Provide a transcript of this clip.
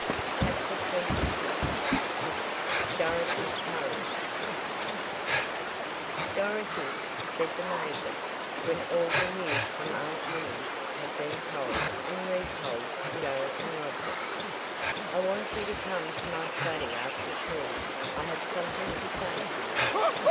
CHAPTER XXVI DOROTHY'S COURAGE "Dorothy," said the major, when all the news from Aunt Winnie's had been told and retold to Joe and Roger, "I want you to come to my study after tea. I have something to say to you."